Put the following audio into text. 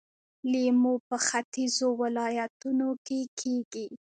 لیمو په ختیځو ولایتونو کې کیږي.